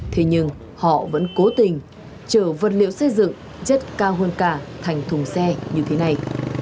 thế nhưng họ vẫn cố tình chở vật liệu xây dựng chất cao hơn cả thành thùng xe như thế này